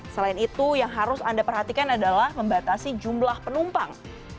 selain itu yang harus anda perhatikan adalah membatasi jumlah penumpang